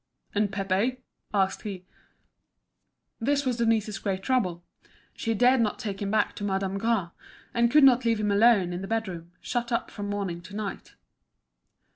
"And Pépé?" asked he. This was Denise's great trouble; she dared not take him back to Madame Gras, and could not leave him alone in the bedroom, shut up from morning to night.